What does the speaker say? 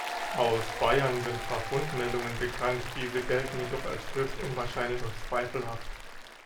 Aus Bayern sind zwar Fundmeldungen bekannt, diese gelten jedoch als höchst unwahrscheinlich und zweifelhaft.